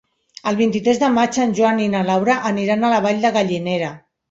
El vint-i-tres de maig en Joan i na Laura aniran a la Vall de Gallinera.